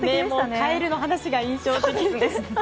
カエルの話が印象的でした。